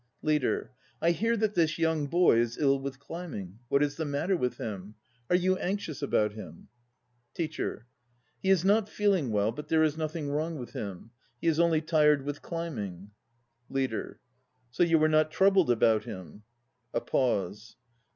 LEADER. I hear that this young boy is ill with climbing. What is the matter with him? Are you anxious about him? TEACHER. He is not feeling well, but there is nothing wrong with him. He IB only tired with climbing. LEADER. So you are not troubled about him? (A pause.)